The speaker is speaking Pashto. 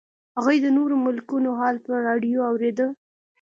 هغې د نورو ملکونو حال په راډیو اورېده